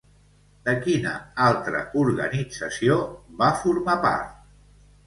De quina altra organització va formar part?